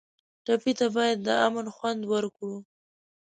ټپي ته باید د امن خوند ورکړو.